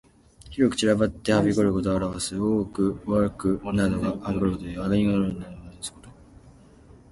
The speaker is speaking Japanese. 広く散らばってはびこることを表す。多く悪などがはびこることにいう。悪人が多く世の中全体に蔓延ること。